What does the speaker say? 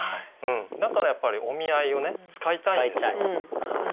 だからやっぱり「お見合い」をね使いたいんですよ。